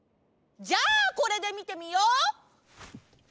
じゃあこれでみてみよう。